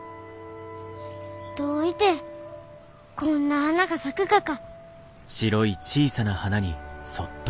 どういてこんな花が咲くがか。